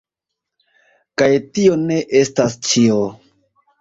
Kaj tio ne estas ĉio!